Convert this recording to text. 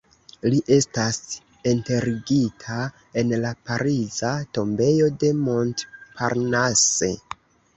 Li estas enterigita en la pariza tombejo de Montparnasse.